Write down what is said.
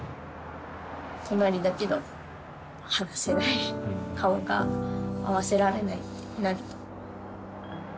隣だけど話せない顔が合わせられないってなると。